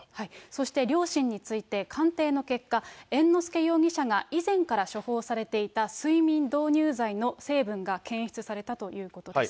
そして、両親について、鑑定の結果、猿之助容疑者が以前から処方されていた睡眠導入剤の成分が検出されたということです。